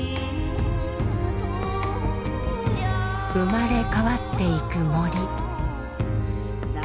生まれ変わっていく森。